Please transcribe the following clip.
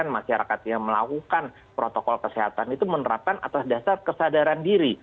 sembilan puluh satu masyarakat yang melakukan protokol kesehatan itu menerapkan atas dasar kesadaran diri